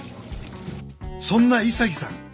そんな潔さん